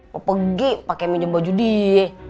mau pergi pake minjem baju dia